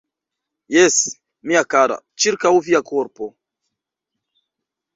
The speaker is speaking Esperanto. Jes, mia kara, ĉirkaŭ via korpo.